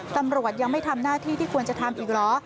ตำรวจยังไม่ทำหน้าที่ที่ควรจะทำอีกเหรอ